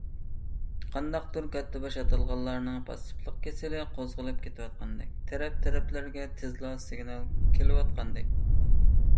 قانداقتۇر كاتتىباش ئاتالغانلارنىڭ پاسسىپلىق كېسىلى قوزغىلىپ كېتىۋاتقاندەك، تەرەپ - تەرەپلەرگە تېزلا سىگنال كېلىۋاتقاندەك.